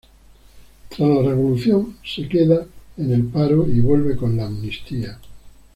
Tras la revolución se queda en el paro y vuelve con la amnistía.